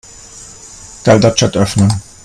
Deltachat öffnen.